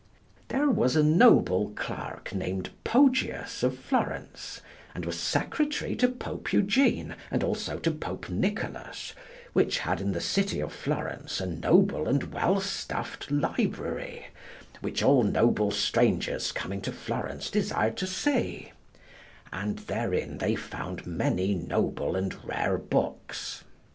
There was a noble clerk named Pogius of Florence, and was secretary to Pope Eugene and also to Pope Nicholas, which had in the city of Florence a noble and well stuffed library which all noble strangers coming to Florence desired to see; and therein they found many noble and rare books.